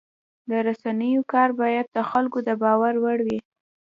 د رسنیو کار باید د خلکو د باور وړ وي.